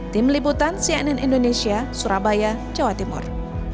tim liputan cnn indonesia surabaya jawa timur